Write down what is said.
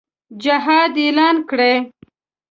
جهاد اعلان کړي.